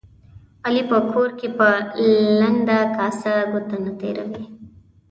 علي په کور کې په لنده کاسه ګوته نه تېروي.